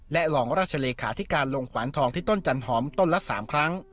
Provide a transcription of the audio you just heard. รองราชเลขาธิการลงขวานทองที่ต้นจันหอมต้นละ๓ครั้ง